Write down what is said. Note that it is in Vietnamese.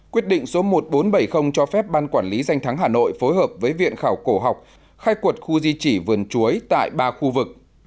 quyết định số một nghìn bốn trăm bảy mươi cho phép ban quản lý danh thắng hà nội phối hợp với viện khảo cổ học khai quật khu di chỉ vườn chuối tại ba khu vực